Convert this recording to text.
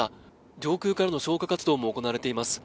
上空からの消火活動も行われています